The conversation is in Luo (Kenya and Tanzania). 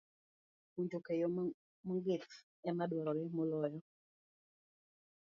Puonjruok e yo mong'ith ema dwarore moloyo.